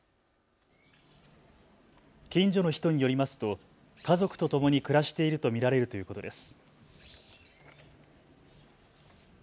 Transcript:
近所の人によりますと家族とともに暮らしていると見られるということです。